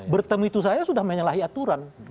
bertemu itu saya sudah menyalahi aturan